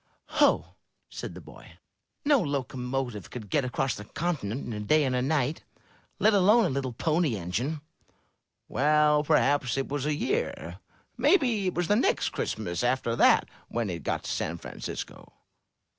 "Ho!" said the boy. "No locomotive could get across the continent in a day and a night, let alone a little Pony Engine." "Well, perhaps it was a year. Maybe it was the next Christmas after that when it got to San Francisco."